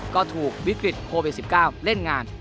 ก็ถูกวิกฤตโควิด๑๙เล่นงาน